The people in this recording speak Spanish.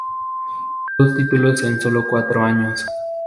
Dos títulos en solo cuatro años.